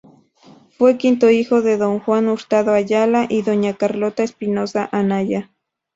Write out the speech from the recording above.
Fue quinto hijo de don Juan Hurtado Ayala y doña Carlota Espinoza Anaya.